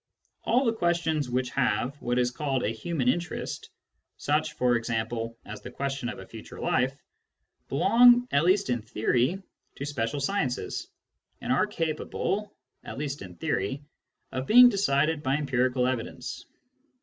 All the questions which have what is called a human interest — such, for example, as the question of a future life — belong, at least in. theory, to special sciences, and arc capable, at least in theory, of being decided by empirical evidence.